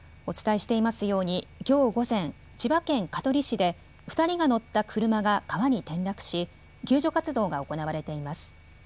お伝えしていますようにきょう午前、千葉県香取市で２人が乗った車が川に転落し救助活動が行われています。